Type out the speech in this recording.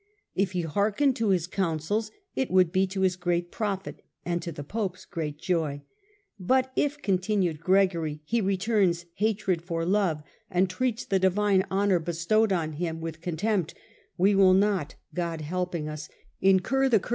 K he hearkened to his counsels it would be to his great profit, and to the Pope's great joy ;' but if,' continued Gregory, 'he returns hatred for love, and treats the divine honour bestowed on him with con tempt, we will not, God helping us, incur the curse ' See above, p.